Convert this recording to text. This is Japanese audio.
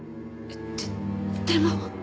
ででも。